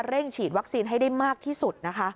ฉีดวัคซีนให้ได้มากที่สุดนะคะ